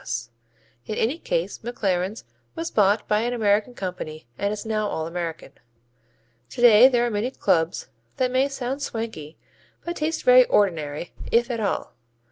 S. In any case McLaren's was bought by an American company and is now all American. Today there are many clubs that may sound swanky but taste very ordinary, if at all.